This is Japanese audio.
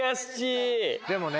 でもね